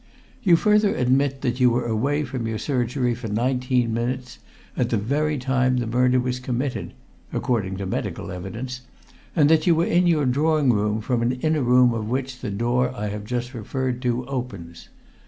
You further admit that you were away from your surgery for nineteen minutes at the very time the murder was committed according to the medical evidence and that you were in your drawing room from an inner room of which the door I have just referred to opens.